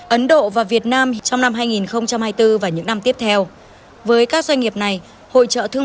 ấn độ và việt nam trong năm hai nghìn hai mươi bốn và những năm tiếp theo với các doanh nghiệp này hội trợ thương